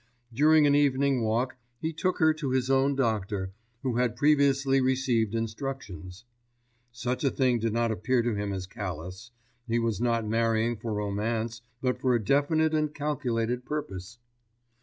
During an evening walk, he took her to his own doctor, who had previously received instructions. Such a thing did not appear to him as callous; he was not marrying for romance, but for a definite and calculated purpose.